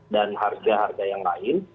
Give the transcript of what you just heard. dan harga harga yang lain